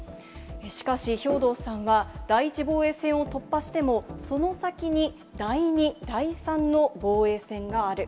しかし、兵頭さんは、第１防衛線を突破しても、その先に第２、第３の防衛線がある。